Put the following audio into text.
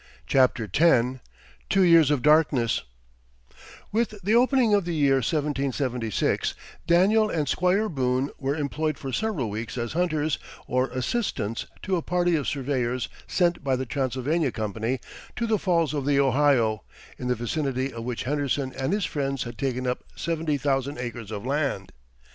CHAPTER X TWO YEARS OF DARKNESS With the opening of the year 1776 Daniel and Squire Boone were employed for several weeks as hunters or assistants to a party of surveyors sent by the Transylvania Company to the Falls of the Ohio, in the vicinity of which Henderson and his friends had taken up seventy thousand acres of land.